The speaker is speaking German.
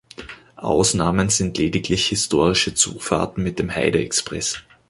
Ausnahmen sind lediglich historische Zugfahrten mit dem Heide-Express.